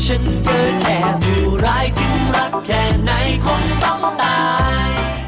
ฉันเจอแค่ผู้ร้ายถึงรักแค่ไหนคงจะต้องตาย